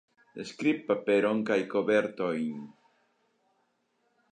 Skribpaperon kaj kovertojn.